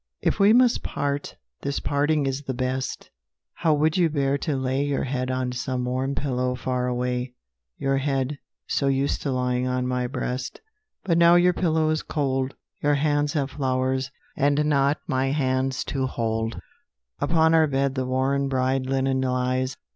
IF we must part, this parting is the best: How would you bear to lay Your head on some warm pillow far away Your head, so used to lying on my breast? But now your pillow is cold; Your hands have flowers, and not my hands, to hold; Upon our bed the worn bride linen lies.